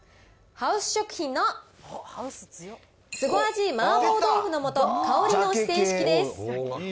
ハウス食品の凄味麻婆豆腐の素香りの四川式です。